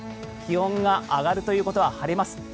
気温が上がるということは晴れます。